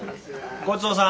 ごちそうさん。